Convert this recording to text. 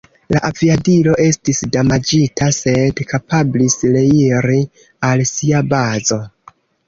La aviadilo estis damaĝita, sed kapablis reiri al sia bazo.